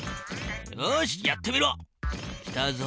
よしやってみろ！来たぞ。